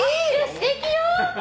すてきよ！